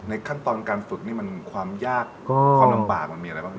ขั้นตอนการฝึกนี่มันความยากความลำบากมันมีอะไรบ้าง